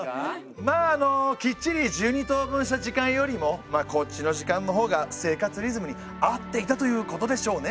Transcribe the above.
まああのきっちり１２等分した時間よりもこっちの時間のほうが生活リズムに合っていたということでしょうね。